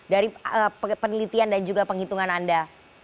dari penelitian dan juga penghitungan anda